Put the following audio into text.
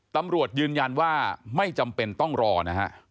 ตำรวจยืนยันว่าไม่จำเป็นต้องรอนะฮะ